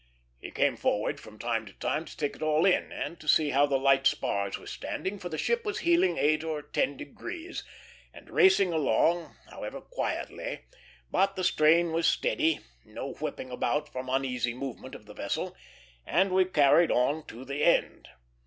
He came forward from time to time to take it all in, and to see how the light spars were standing, for the ship was heeling eight or ten degrees, and racing along, however quietly; but the strain was steady, no whipping about from uneasy movement of the vessel, and we carried on to the end.